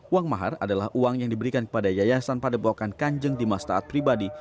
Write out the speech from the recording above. uang mahar adalah uang yang diberikan kepada yayasan pandopokan kanjeng dimas taat pribadi